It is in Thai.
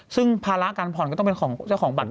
ซึ่งภาระการผ่อนก็ต้องเป็นของเจ้าของบัตร